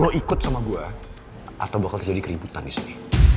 lo ikut sama gue atau bakal terjadi keributan disini